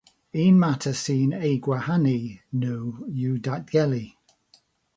Un mater sy'n eu gwahanu nhw yw datgelu.